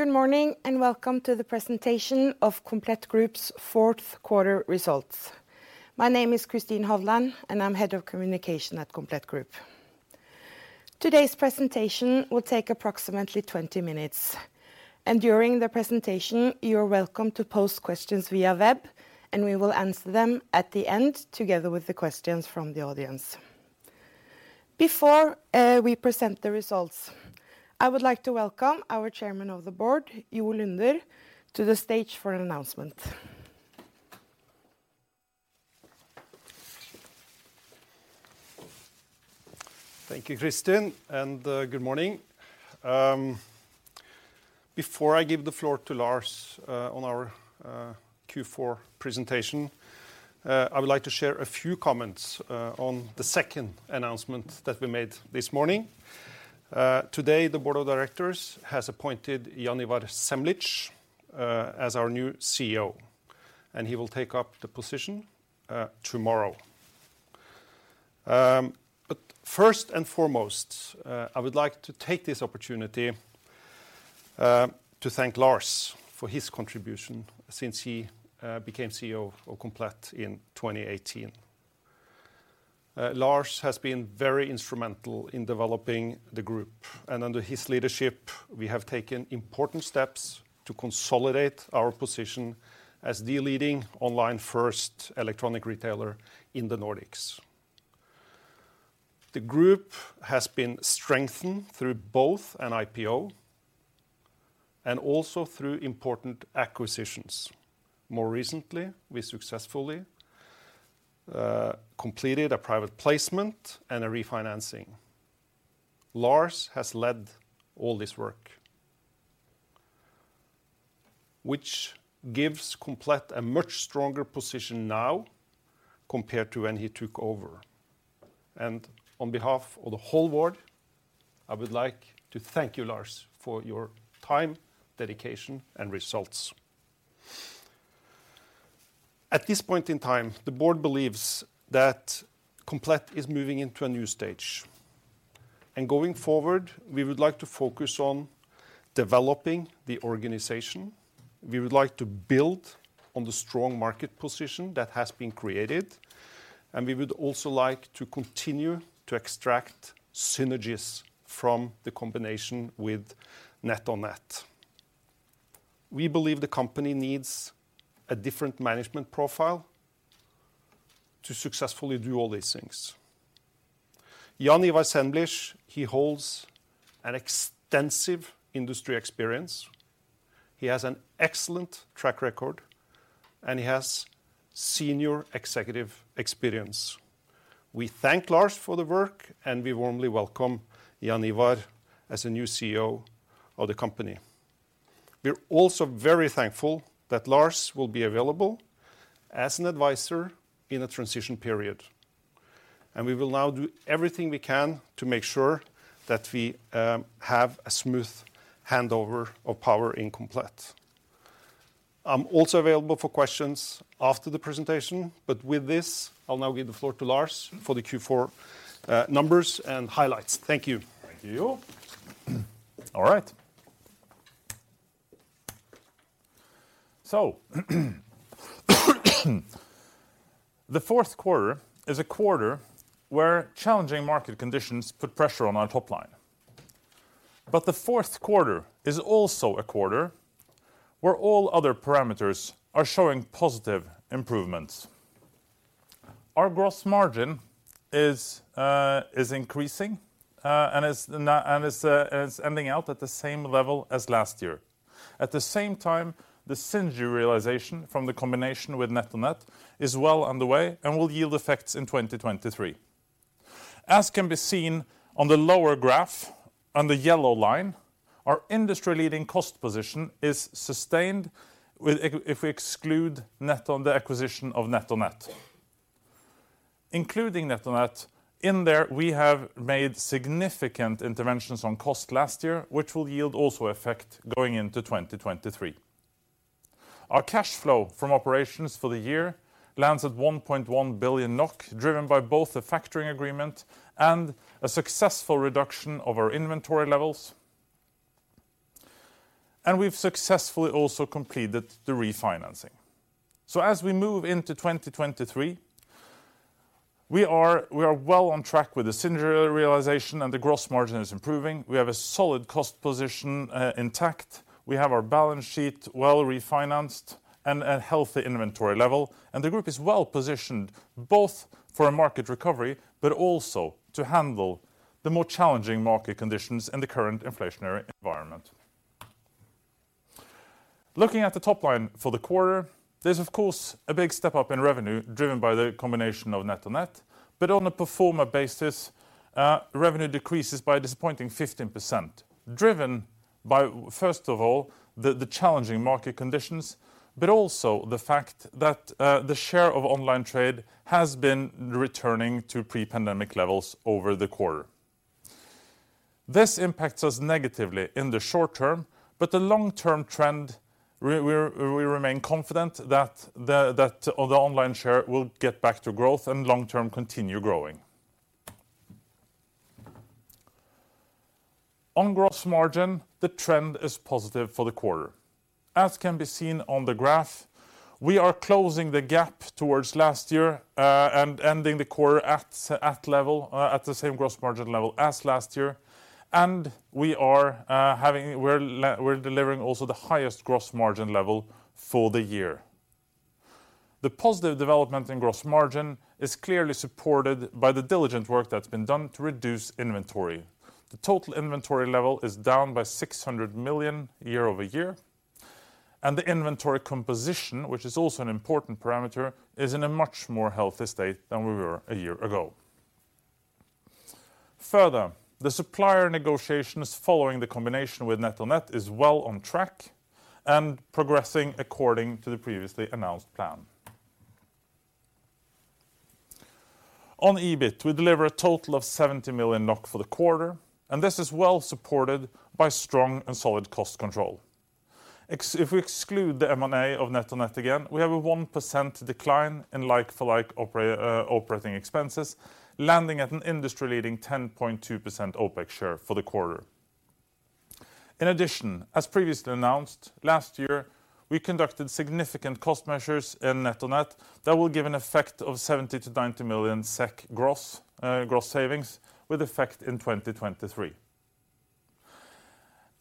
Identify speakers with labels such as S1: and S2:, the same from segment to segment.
S1: Good morning, welcome to the presentation of Komplett Group's fourth quarter results. My name is Kristin Hovland, I'm head of communication at Komplett Group. Today's presentation will take approximately 20 minutes, during the presentation, you're welcome to pose questions via web, we will answer them at the end together with the questions from the audience. Before we present the results, I would like to welcome our chairman of the board, Jo Lunder, to the stage for an announcement.
S2: Thank you, Kristin, and good morning. Before I give the floor to Lars, on our Q4 presentation, I would like to share a few comments on the second announcement that we made this morning. Today, the board of directors has appointed Jaan Ivar Semlitsch as our new CEO, and he will take up the position tomorrow. First and foremost, I would like to take this opportunity to thank Lars for his contribution since he became CEO of Komplett in 2018. Lars has been very instrumental in developing the group, and under his leadership, we have taken important steps to consolidate our position as the leading online first electronic retailer in the Nordics. The group has been strengthened through both an IPO and also through important acquisitions. More recently, we successfully completed a private placement and a refinancing. Lars has led all this work, which gives Komplett a much stronger position now compared to when he took over. On behalf of the whole board, I would like to thank you, Lars, for your time, dedication, and results. At this point in time, the board believes that Komplett is moving into a new stage. Going forward, we would like to focus on developing the organization. We would like to build on the strong market position that has been created, and we would also like to continue to extract synergies from the combination with NetOnNet. We believe the company needs a different management profile to successfully do all these things. Jaan Ivar Semlitsch, he holds an extensive industry experience, he has an excellent track record, and he has senior executive experience. We thank Lars for the work. We warmly welcome Jaan Ivar as the new CEO of the company. We're also very thankful that Lars will be available as an advisor in a transition period. We will now do everything we can to make sure that we have a smooth handover of power in Komplett. I'm also available for questions after the presentation. With this, I'll now give the floor to Lars for the Q4 numbers and highlights. Thank you.
S3: Thank you. All right. The fourth quarter is a quarter where challenging market conditions put pressure on our top line. The fourth quarter is also a quarter where all other parameters are showing positive improvements. Our gross margin is increasing and is ending out at the same level as last year. At the same time, the synergy realization from the combination with NetOnNet is well underway and will yield effects in 2023. As can be seen on the lower graph on the yellow line, our industry-leading cost position is sustained if we exclude the acquisition of NetOnNet. Including NetOnNet in there, we have made significant interventions on cost last year, which will yield also effect going into 2023. Our cash flow from operations for the year lands at 1.1 billion NOK, driven by both the factoring agreement and a successful reduction of our inventory levels. We've successfully also completed the refinancing. As we move into 2023, we are well on track with the synergy realization and the gross margin is improving. We have a solid cost position intact. We have our balance sheet well refinanced and a healthy inventory level. The group is well positioned both for a market recovery but also to handle the more challenging market conditions in the current inflationary environment. Looking at the top line for the quarter, there's of course a big step up in revenue driven by the combination of NetOnNet. On a pro forma basis, revenue decreases by a disappointing 15%, driven by, first of all, the challenging market conditions, but also the fact that the share of online trade has been returning to pre-pandemic levels over the quarter. This impacts us negatively in the short term, but the long-term trend we remain confident that the online share will get back to growth and long term continue growing. On gross margin, the trend is positive for the quarter. As can be seen on the graph, we are closing the gap towards last year, and ending the quarter at level, at the same gross margin level as last year, and we're delivering also the highest gross margin level for the year. The positive development in gross margin is clearly supported by the diligent work that's been done to reduce inventory. The total inventory level is down by 600 million year-over-year, and the inventory composition, which is also an important parameter, is in a much more healthy state than we were a year ago. Further, the supplier negotiations following the combination with NetOnNet is well on track and progressing according to the previously announced plan. On EBIT, we deliver a total of 70 million NOK for the quarter, and this is well supported by strong and solid cost control. If we exclude the M&A of NetOnNet again, we have a 1% decline in like-for-like operating expenses, landing at an industry-leading 10.2% OPEX share for the quarter. As previously announced, last year, we conducted significant cost measures in NetOnNet that will give an effect of 70 million-90 million SEK gross savings with effect in 2023.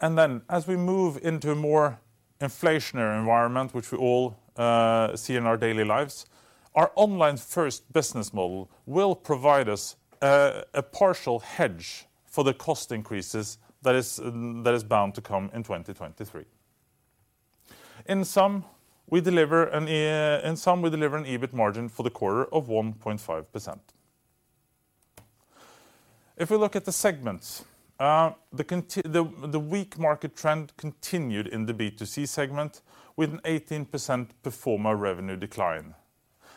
S3: As we move into a more inflationary environment, which we all see in our daily lives, our online first business model will provide us a partial hedge for the cost increases that is bound to come in 2023. In sum, we deliver an EBIT margin for the quarter of 1.5%. If we look at the segments, the weak market trend continued in the B2C segment with an 18% pro forma revenue decline.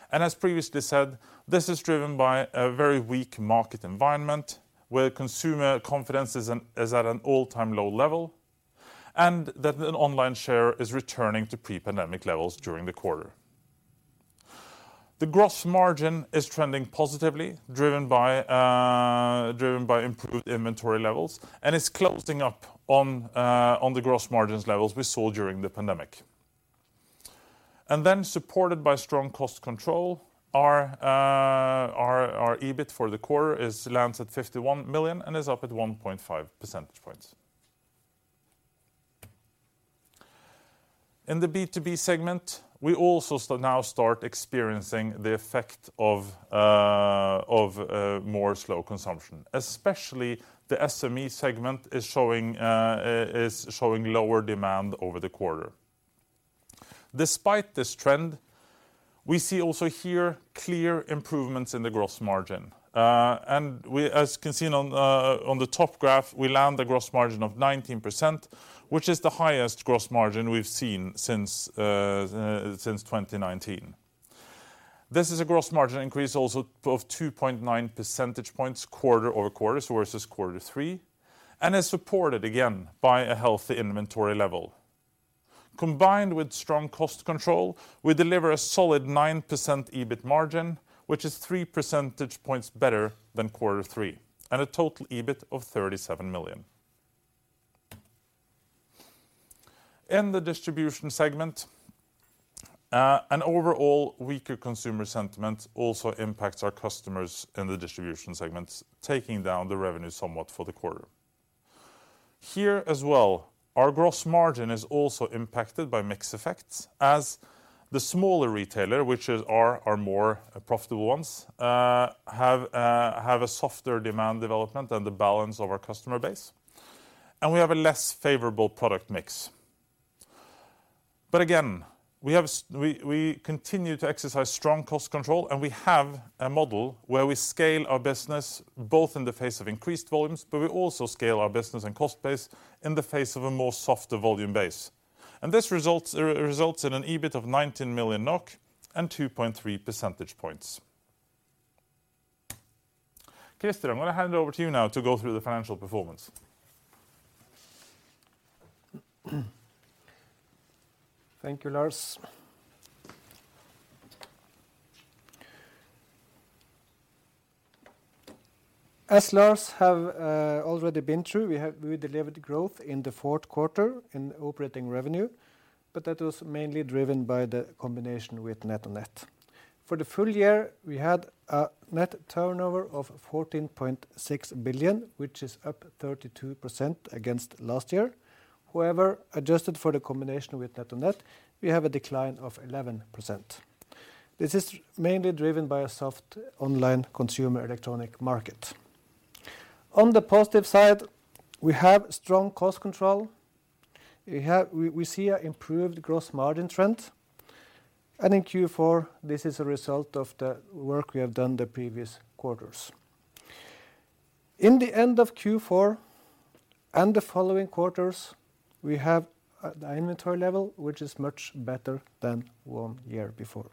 S3: As previously said, this is driven by a very weak market environment where consumer confidence is at an all-time low level, and that an online share is returning to pre-pandemic levels during the quarter. The gross margin is trending positively, driven by improved inventory levels, and it's closing up on the gross margins levels we saw during the pandemic. Supported by strong cost control, our EBIT for the quarter lands at 51 million and is up at 1.5 percentage points. In the B2B segment, we also now start experiencing the effect of more slow consumption, especially the SME segment is showing lower demand over the quarter. Despite this trend, we see also here clear improvements in the gross margin. As can see on the top graph, we land a gross margin of 19%, which is the highest gross margin we've seen since 2019. This is a gross margin increase also of 2.9 percentage points quarter-over-quarter sources Q3, and is supported again by a healthy inventory level. Combined with strong cost control, we deliver a solid 9% EBIT margin, which is 3 percentage points better than Q3, and a total EBIT of 37 million. In the distribution segment, an overall weaker consumer sentiment also impacts our customers in the distribution segments, taking down the revenue somewhat for the quarter. Here as well, our gross margin is also impacted by mix effects as the smaller retailer, which is our more profitable ones, have a softer demand development than the balance of our customer base, and we have a less favorable product mix. Again, we continue to exercise strong cost control, and we have a model where we scale our business both in the face of increased volumes, but we also scale our business and cost base in the face of a more softer volume base. This results in an EBIT of 19 million NOK and 2.3 percentage points. Christer, I'm gonna hand it over to you now to go through the financial performance.
S4: Thank you, Lars. As Lars have already been through, we delivered growth in the fourth quarter in operating revenue, that was mainly driven by the combination with NetOnNet. For the full year, we had a net turnover of 14.6 billion, which is up 32% against last year. However, adjusted for the combination with NetOnNet, we have a decline of 11%. This is mainly driven by a soft online consumer electronic market. On the positive side, we have strong cost control. We see an improved gross margin trend. In Q4, this is a result of the work we have done the previous quarters. In the end of Q4 and the following quarters, we have the inventory level, which is much better than one year before.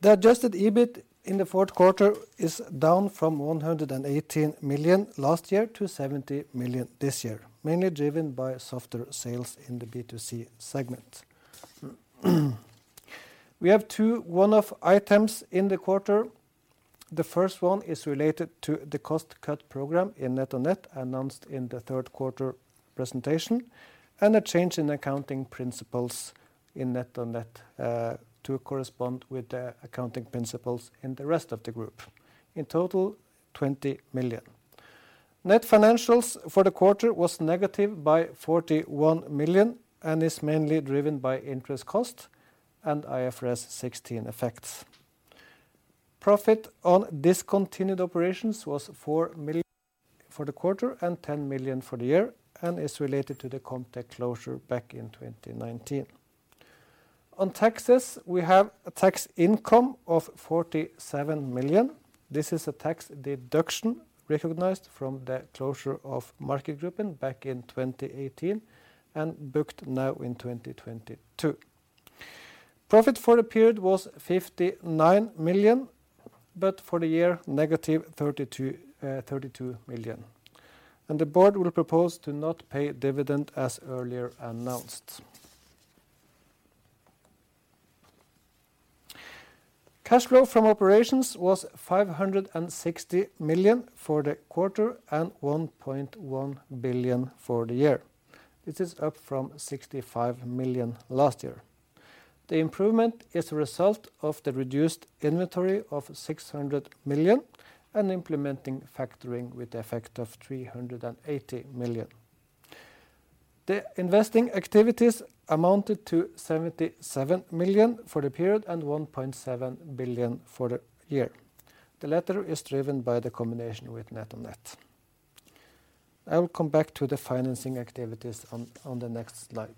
S4: The adjusted EBIT in the fourth quarter is down from 118 million last year to 70 million this year, mainly driven by softer sales in the B2C segment. We have 2 one-off items in the quarter. The first one is related to the cost cut program in NetOnNet announced in the third quarter presentation, and a change in accounting principles in NetOnNet to correspond with the accounting principles in the rest of the group. In total, 20 million. Net financials for the quarter was negative by 41 million, and is mainly driven by interest cost and IFRS 16 effects. Profit on discontinued operations was 4 million for the quarter and 10 million for the year, and is related to the Comtech closure back in 2019. On taxes, we have a tax income of 47 million. This is a tax deduction recognized from the closure of Marked Gruppen back in 2018 and booked now in 2022. Profit for the period was 59 million, for the year, negative 32 million. The board will propose to not pay dividend as earlier announced. Cash flow from operations was 560 million for the quarter and 1.1 billion for the year. This is up from 65 million last year. The improvement is a result of the reduced inventory of 600 million and implementing factoring with the effect of 380 million. The investing activities amounted to 77 million for the period and 1.7 billion for the year. The latter is driven by the combination with NetOnNet. I will come back to the financing activities on the next slide.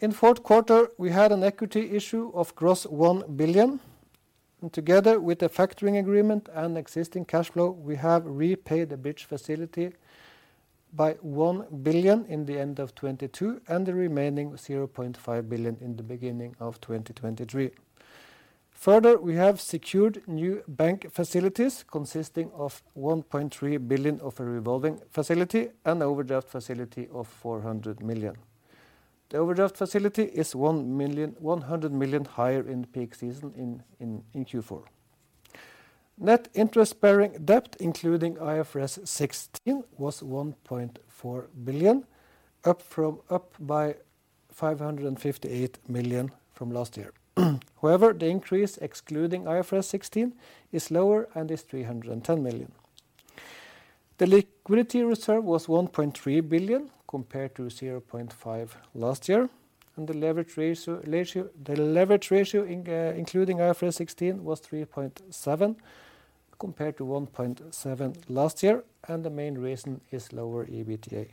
S4: In fourth quarter, we had an equity issue of gross 1 billion, and together with the factoring agreement and existing cash flow, we have repaid the bridge facility by 1 billion in the end of 2022, and the remaining 0.5 billion in the beginning of 2023. Further, we have secured new bank facilities consisting of 1.3 billion of a revolving facility and overdraft facility of 400 million. The overdraft facility is 1 million, 100 million higher in peak season in Q4. Net interest-bearing debt, including IFRS 16, was 1.4 billion, up by 558 million from last year. However, the increase excluding IFRS 16 is lower and is 310 million. The liquidity reserve was 1.3 billion compared to 0.5 billion last year. The leverage ratio including IFRS 16 was 3.7 compared to 1.7 last year. The main reason is lower EBITDA.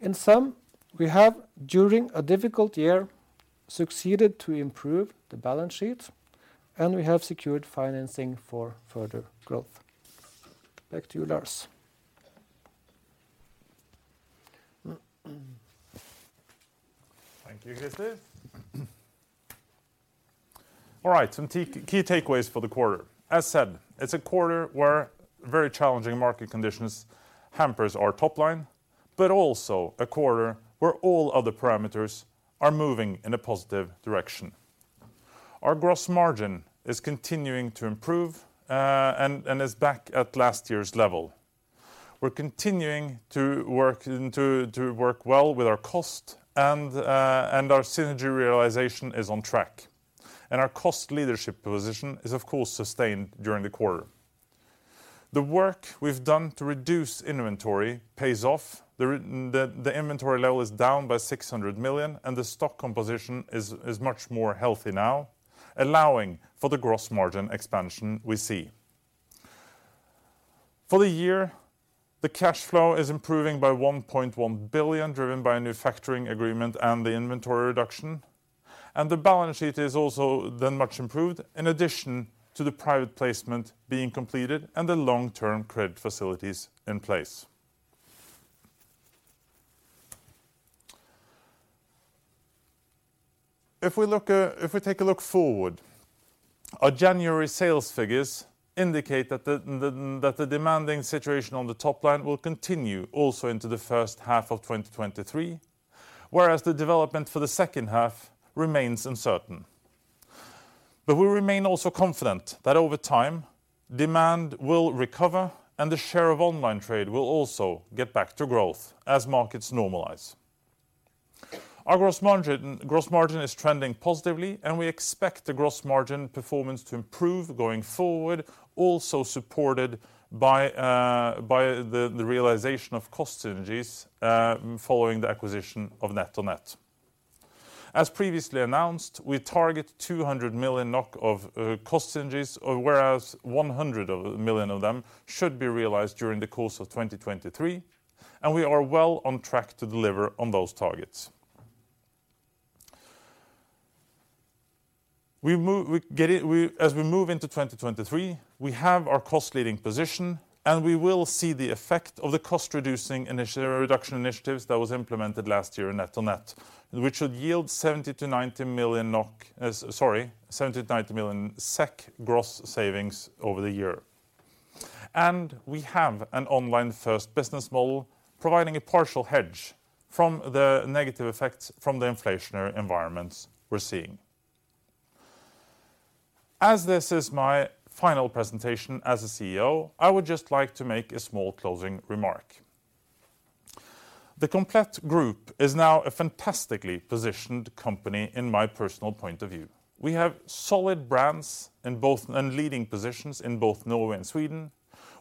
S4: In sum, we have, during a difficult year, succeeded to improve the balance sheet, we have secured financing for further growth. Back to you, Lars.
S3: Thank you Christer. Some key takeaways for the quarter. As said, it's a quarter where very challenging market conditions hamper our top line, also a quarter where all other parameters are moving in a positive direction. Our gross margin is continuing to improve, and is back at last year's level. We're continuing to work and to work well with our cost and our synergy realization is on track. Our cost leadership position is of course sustained during the quarter. The work we've done to reduce inventory pays off. The inventory level is down by 600 million, the stock composition is much more healthy now, allowing for the gross margin expansion we see. For the year, the cash flow is improving by 1.1 billion, driven by a new factoring agreement and the inventory reduction. The balance sheet is also then much improved in addition to the private placement being completed and the long-term credit facilities in place. If we look, if we take a look forward, our January sales figures indicate that the demanding situation on the top line will continue also into the first half of 2023, whereas the development for the second half remains uncertain. We remain also confident that over time, demand will recover, and the share of online trade will also get back to growth as markets normalize. Our gross margin is trending positively. We expect the gross margin performance to improve going forward, also supported by the realization of cost synergies following the acquisition of NetOnNet. As previously announced, we target 200 million NOK of cost synergies, whereas 100 million of them should be realized during the course of 2023. We are well on track to deliver on those targets. As we move into 2023, we have our cost leading position, and we will see the effect of the cost reduction initiatives that was implemented last year in NetOnNet, which should yield 70 million-90 million NOK, sorry, 70 million-90 million SEK gross savings over the year. We have an online first business model providing a partial hedge from the negative effects from the inflationary environments we're seeing. As this is my final presentation as a CEO, I would just like to make a small closing remark. The Komplett Group is now a fantastically positioned company in my personal point of view. We have solid brands in both and leading positions in both Norway and Sweden.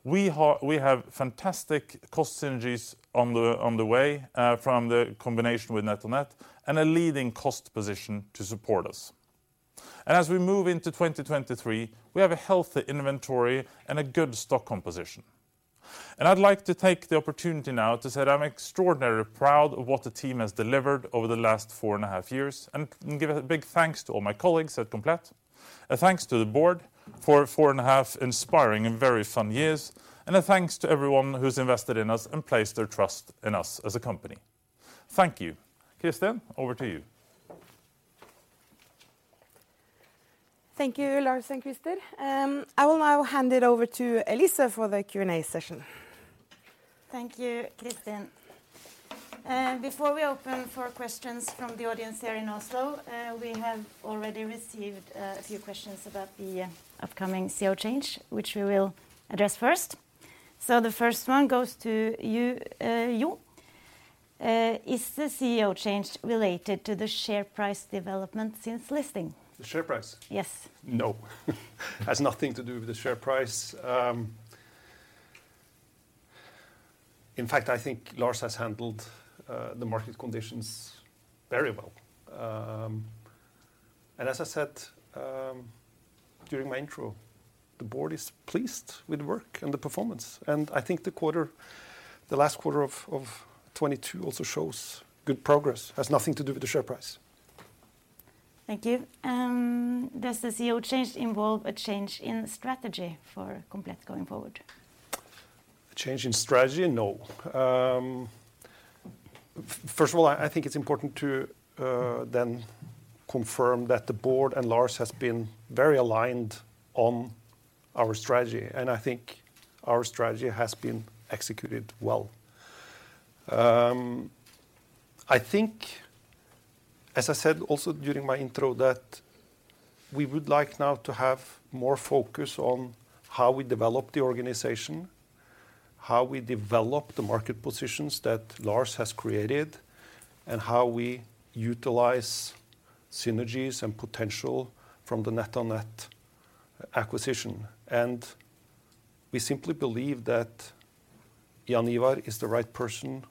S3: We have fantastic cost synergies on the way from the combination with NetOnNet and a leading cost position to support us. As we move into 2023, we have a healthy inventory and a good stock composition. I'd like to take the opportunity now to say that I'm extraordinarily proud of what the team has delivered over the last four and a half years, and give a big thanks to all my colleagues at Komplett, a thanks to the board for four and a half inspiring and very fun years, a thanks to everyone who's invested in us and placed their trust in us as a company. Thank you. Kristin, over to you.
S1: Thank you, Lars and Christer. I will now hand it over to Elisa for the Q&A session.
S5: Thank you, Kristin. Before we open for questions from the audience here in Oslo, we have already received a few questions about the upcoming CEO change, which we will address first. The first one goes to you, Jo. Is the CEO change related to the share price development since listing?
S2: The share price?
S5: Yes.
S2: No. It has nothing to do with the share price. In fact, I think Lars has handled the market conditions very well. As I said, during my intro, the board is pleased with the work and the performance, and I think the quarter, the last quarter of 2022 also shows good progress. It has nothing to do with the share price.
S5: Thank you. Does the CEO change involve a change in strategy for Komplett going forward?
S2: A change in strategy? No. First of all, I think it's important to then confirm that the board and Lars has been very aligned on our strategy, and I think our strategy has been executed well. I think, as I said also during my intro, that we would like now to have more focus on how we develop the organization, how we develop the market positions that Lars has created, and how we utilize synergies and potential from the NetOnNet acquisition. We simply believe that Jaan Ivar is the right person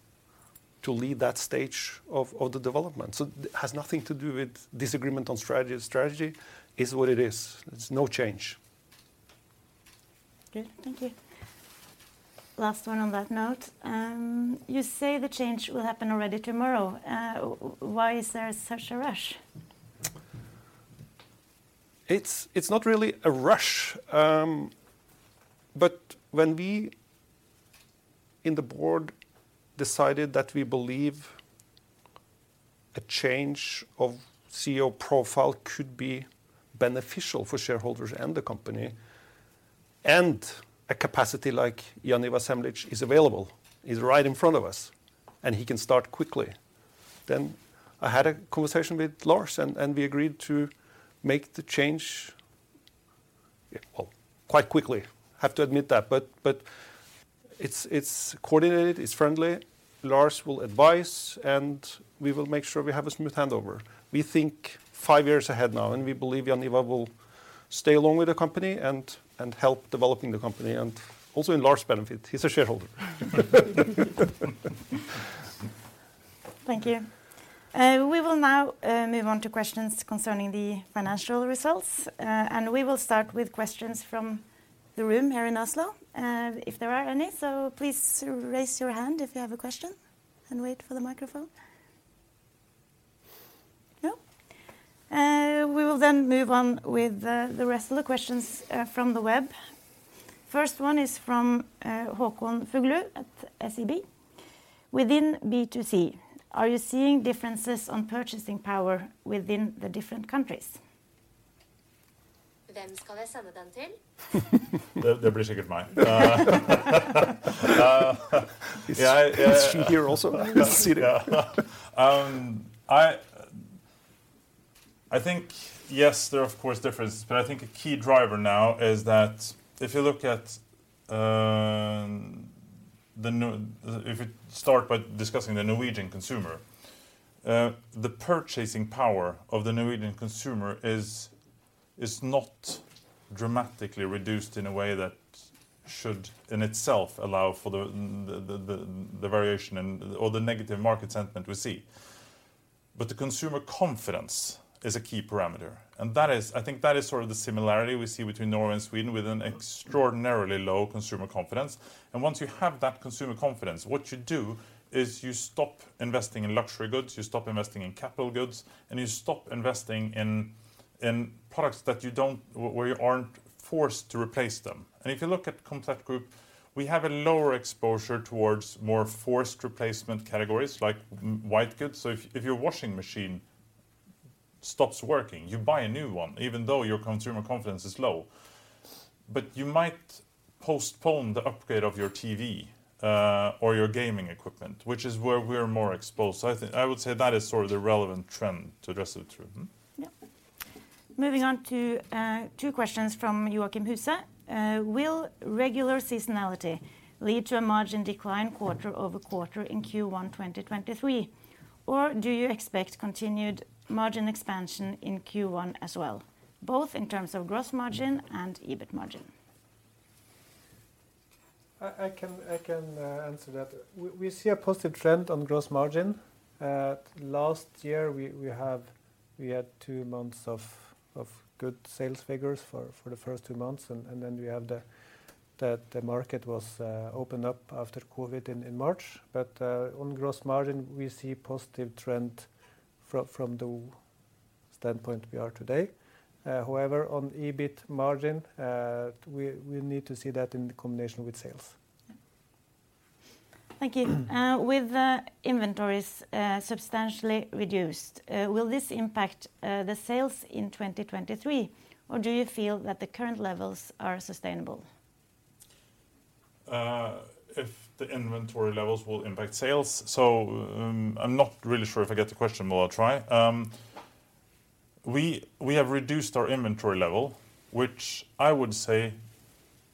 S2: to lead that stage of the development. It has nothing to do with disagreement on strategy. The strategy is what it is. There's no change.
S5: Good. Thank you. Last one on that note. You say the change will happen already tomorrow. Why is there such a rush?
S2: It's not really a rush. When we in the board decided that we believe a change of CEO profile could be beneficial for shareholders and the company, and a capacity like Jaan Ivar Semlitsch is available, he's right in front of us, and he can start quickly, then I had a conversation with Lars and we agreed to make the change, well, quite quickly. I have to admit that. It's coordinated. It's friendly. Lars will advise, and we will make sure we have a smooth handover. We think five years ahead now, and we believe Jaan Ivar will stay along with the company and help developing the company, and also in Lars' benefit, he's a shareholder.
S5: Thank you. We will now move on to questions concerning the financial results, and we will start with questions from the room here in Oslo, if there are any. Please raise your hand if you have a question and wait for the microphone. No? We will then move on with the rest of the questions from the web. First one is from Håkon Fuglu at SEB. Within B2C, are you seeing differences on purchasing power within the different countries?
S3: They're pretty sick of me.
S2: He's here also sitting.
S3: Yeah. I think, yes, there are of course differences, but I think a key driver now is that if you look at, If you start by discussing the Norwegian consumer, the purchasing power of the Norwegian consumer is not dramatically reduced in a way that should in itself allow for the variation and/or the negative market sentiment we see. The consumer confidence is a key parameter, I think that is sort of the similarity we see between Norway and Sweden with an extraordinarily low consumer confidence. Once you have that consumer confidence, what you do is you stop investing in luxury goods, you stop investing in capital goods, and you stop investing in products that you don't or where you aren't forced to replace them. If you look at Komplett Group, we have a lower exposure towards more forced replacement categories like white goods. If your washing machine... stops working, you buy a new one, even though your consumer confidence is low. You might postpone the upgrade of your TV, or your gaming equipment, which is where we're more exposed. I would say that is sort of the relevant trend to address it through. Mm?
S5: Yeah. Moving on to two questions from Joakim Husa. Will regular seasonality lead to a margin decline quarter-over-quarter in Q1 2023, or do you expect continued margin expansion in Q1 as well, both in terms of gross margin and EBIT margin?
S4: I can answer that. We see a positive trend on gross margin. Last year we had two months of good sales figures for the first two months, and then we have the market was opened up after COVID in March. On gross margin we see positive trend from the standpoint we are today. However, on EBIT margin, we need to see that in combination with sales.
S5: Thank you. With inventories substantially reduced, will this impact the sales in 2023, or do you feel that the current levels are sustainable?
S3: If the inventory levels will impact sales? I'm not really sure if I get the question, but I'll try. We have reduced our inventory level, which I would say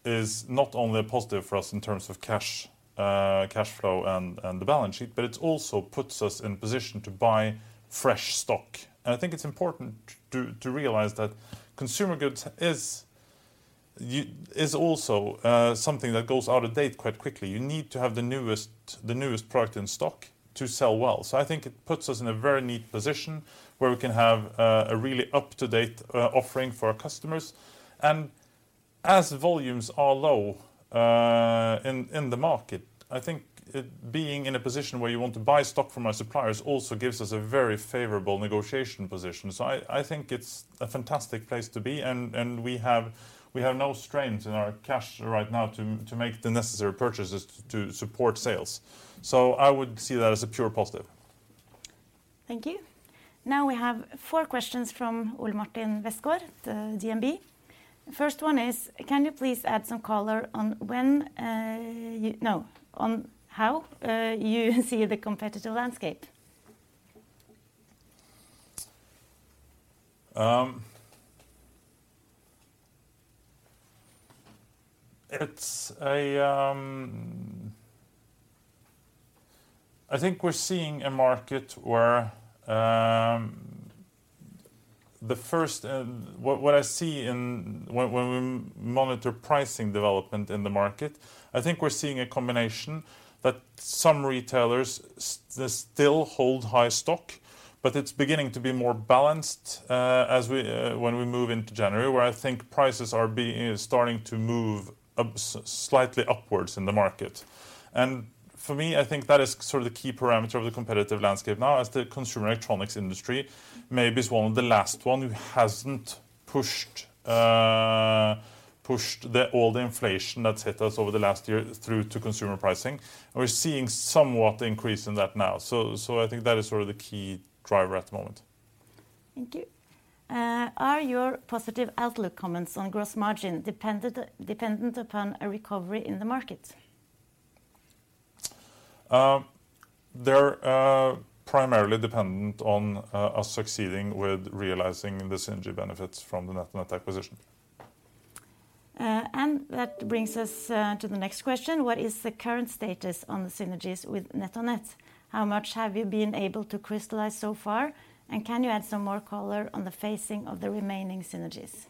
S3: is not only a positive for us in terms of cash flow and the balance sheet, but it also puts us in position to buy fresh stock. I think it's important to realize that consumer goods is also something that goes out of date quite quickly. You need to have the newest product in stock to sell well. I think it puts us in a very neat position where we can have a really up-to-date offering for our customers. As volumes are low, in the market, I think it being in a position where you want to buy stock from our suppliers also gives us a very favorable negotiation position. I think it's a fantastic place to be and we have no strains in our cash right now to make the necessary purchases to support sales. I would see that as a pure positive.
S5: Thank you. We have four questions from Ole Martin Westgaard, the DNB. First one is, can you please add some color on how you see the competitive landscape?
S3: It's a. I think we're seeing a market where the first. What I see in when we monitor pricing development in the market, I think we're seeing a combination that some retailers still hold high stock, but it's beginning to be more balanced, as we, when we move into January, where I think prices are starting to move up, slightly upwards in the market. For me, I think that is sort of the key parameter of the competitive landscape now as the consumer electronics industry maybe is one of the last one who hasn't pushed the, all the inflation that's hit us over the last year through to consumer pricing. We're seeing somewhat increase in that now. I think that is sort of the key driver at the moment.
S5: Thank you. Are your positive outlook comments on gross margin dependent upon a recovery in the market?
S3: They're primarily dependent on us succeeding with realizing the synergy benefits from the NetOnNet acquisition.
S5: That brings us to the next question. What is the current status on the synergies with NetOnNet? How much have you been able to crystallize so far, and can you add some more color on the phasing of the remaining synergies?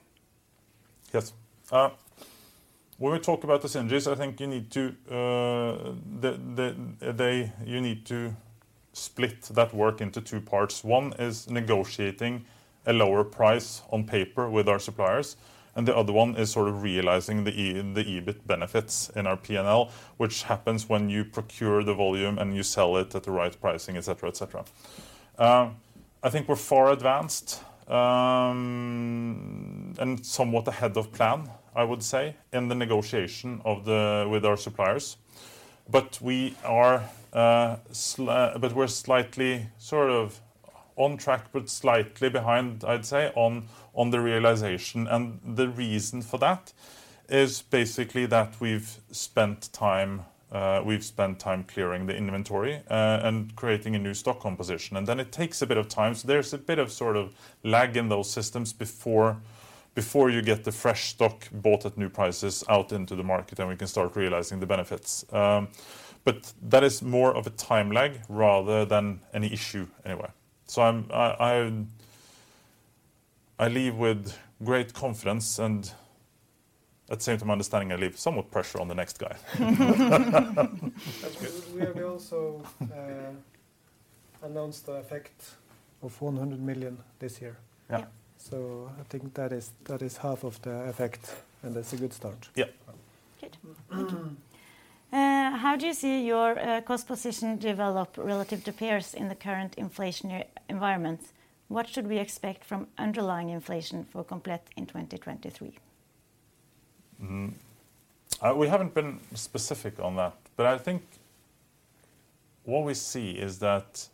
S3: Yes. When we talk about the synergies, I think you need to split that work into two parts. One is negotiating a lower price on paper with our suppliers, and the other one is sort of realizing the EBIT benefits in our P&L, which happens when you procure the volume and you sell it at the right pricing, et cetera, et cetera. I think we're far advanced and somewhat ahead of plan, I would say, in the negotiation with our suppliers. We are slightly sort of on track but slightly behind, I'd say, on the realization. The reason for that is basically that we've spent time clearing the inventory and creating a new stock composition, and then it takes a bit of time. There's a bit of sort of lag in those systems before you get the fresh stock bought at new prices out into the market and we can start realizing the benefits. That is more of a time lag rather than any issue anyway. I leave with great confidence and at the same time understanding I leave somewhat pressure on the next guy.
S4: That's good. We have also, announced the effect of 400 million this year.
S3: Yeah.
S5: Yeah.
S4: I think that is half of the effect, and that's a good start.
S3: Yeah.
S5: Good. Thank you. How do you see your cost position develop relative to peers in the current inflationary environment? What should we expect from underlying inflation for Komplett in 2023?
S3: We haven't been specific on that, but what we see is that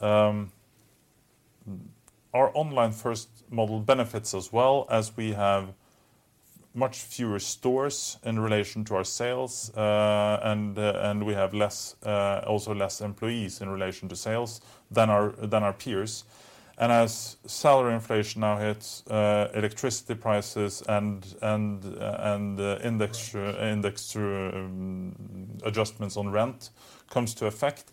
S3: our online first model benefits as well as we have much fewer stores in relation to our sales. We have less also less employees in relation to sales than our peers. As salary inflation now hits electricity prices and index adjustments on rent comes to effect,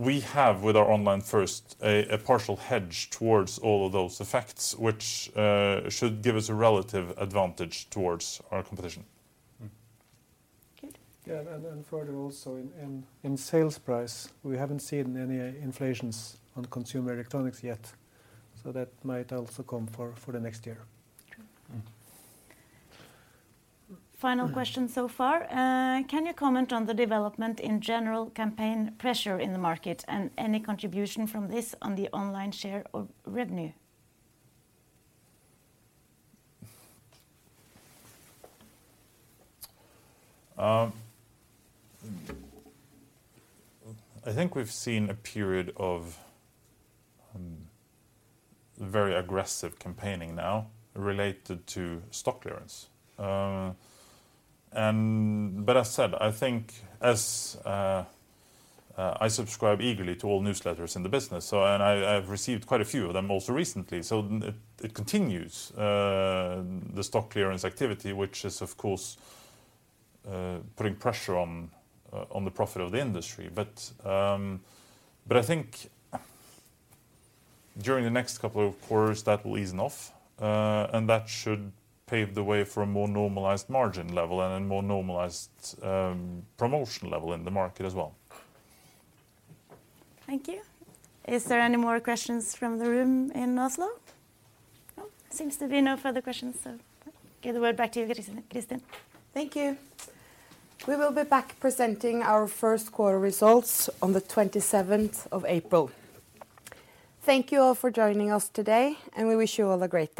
S3: we have with our online first a partial hedge towards all of those effects, which should give us a relative advantage towards our competition. Mm.
S5: Okay.
S3: Further also in sales price, we haven't seen any inflations on consumer electronics yet, so that might also come for the next year.
S5: True.
S3: Mm.
S5: Final question so far. Can you comment on the development in general campaign pressure in the market and any contribution from this on the online share or revenue?
S3: I think we've seen a period of very aggressive campaigning now related to stock clearance. But as said, I think as I subscribe eagerly to all newsletters in the business, so and I've received quite a few of them most recently. It, it continues the stock clearance activity, which is, of course, putting pressure on the profit of the industry. I think during the next couple of quarters that will ease enough, and that should pave the way for a more normalized margin level and a more normalized promotion level in the market as well.
S5: Thank you. Is there any more questions from the room in Oslo? No. Seems to be no further questions. Give the word back to you, Kristin.
S1: Thank you. We will be back presenting our first quarter results on the 27th of April. Thank you all for joining us today, and we wish you all a great day.